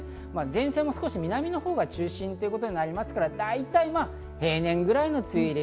前線も少し南のほうが中心ということになりますから、だいたい平年くらいの梅雨入り。